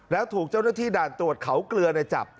แล้วถูกเจ้าหน้าที่ด่านตรวจเขาเกลือในจับ